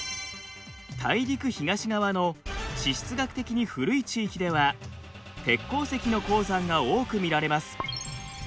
大陸東側の地質学的に古い地域では鉄鉱石の鉱山が多く見られます。